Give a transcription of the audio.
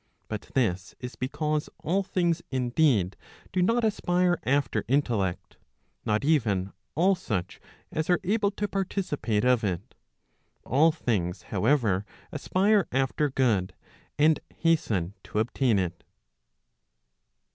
But this is because all things indeed do not aspire after intellect, not even all such as are able to participate of it. All things, however, aspire after good, and hasten to obtain it.